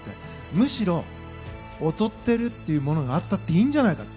むしろ、劣っているというものがあったっていいんじゃないかって。